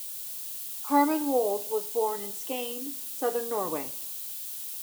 Herman Wold was born in Skien, Southern Norway.